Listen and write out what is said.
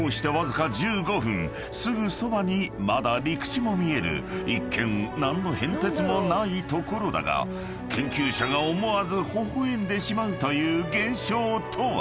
［すぐそばにまだ陸地も見える一見何の変哲もない所だが研究者が思わず微笑んでしまうという現象とは？］